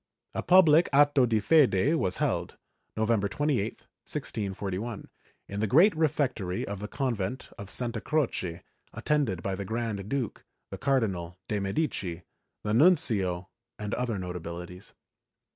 A public atto di fede was held, Novem ber 28, 1641, in the great refectory of the convent of Santa Croce, attended by the Grand Duke, the Cardinal de' Medici, the nuncio and other notabilities.